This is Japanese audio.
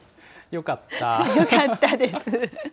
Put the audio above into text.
よかったです。